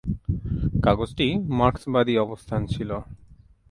কাগজটি মার্কসবাদী অবস্থান ছিল।